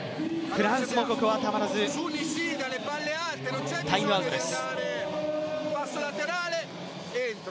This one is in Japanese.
フランスもここはたまらずタイムアウトです。